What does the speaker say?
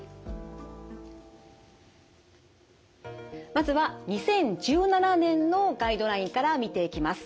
まずは２０１７年のガイドラインから見ていきます。